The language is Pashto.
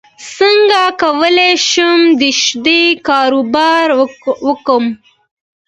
څنګه کولی شم د شیدو کاروبار وکړم